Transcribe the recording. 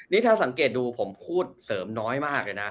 นี่ถ้าสังเกตดูผมพูดเสริมน้อยมากเลยนะ